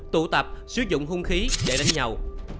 tụ tạp sử dụng hung khí để đánh nhau